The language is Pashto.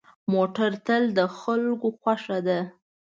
موټر تل د خلکو خوښه ده.